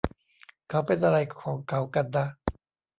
เขาเป็นอะไรของเขากันนะ